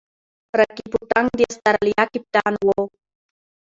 راكي پونټنګ د اسټرالیا کپتان وو.